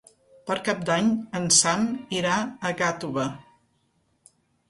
Per Cap d'Any en Sam irà a Gàtova.